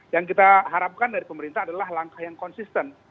yang kita harapkan dari pemerintah adalah langkah yang konsisten